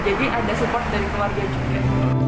ada support dari keluarga juga